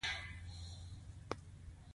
دومره قوي استخباراتو سره.